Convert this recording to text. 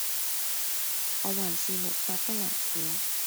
我還是沒法不難過